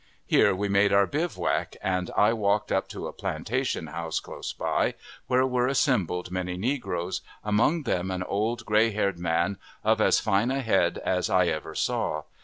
Here we made our bivouac, and I walked up to a plantation house close by, where were assembled many negroes, among them an old, gray haired man, of as fine a head as I ever saw.